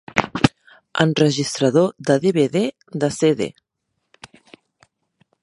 Enregistrador de DVD, de CD.